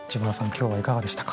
今日はいかがでしたか？